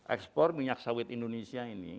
ekspor minyak sawit indonesia ini